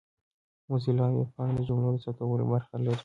موزیلا ویبپاڼه د جملو د ثبتولو برخه لري.